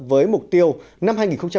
với mục tiêu năm hai nghìn một mươi chín